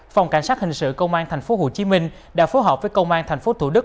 phòng cảnh sát hình sự công an tp hcm đã phối hợp với công an tp thủ đức